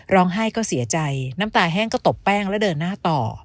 ร้องไห้ก็เสียใจน้ำตาแห้งก็ตบแป้งแล้วเดินหน้าต่อ